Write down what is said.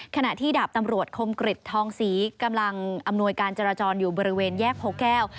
ขณะที่ดาบตำรวจคมกริจทองศรีกำลังอำนวยการจราจรอยู่บริเวณแยกโพแก้ว